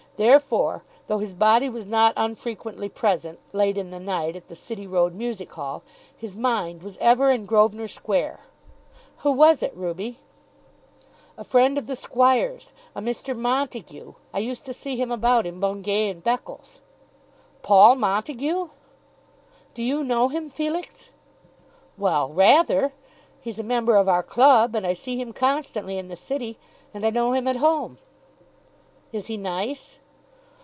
Therefore, though his body was not unfrequently present, late in the night, at the City Road Music Hall, his mind was ever in Grosvenor Square. "Who was it, Ruby?" "A friend of the Squire's, a Mr. Montague. I used to see him about in Bungay and Beccles." "Paul Montague!" "Do you know him, Felix?" "Well; rather. He's a member of our club, and I see him constantly in the city and I know him at home." "Is he nice?"